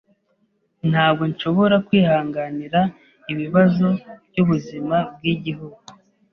Ntabwo nshobora kwihanganira ibibazo byubuzima bwigihugu.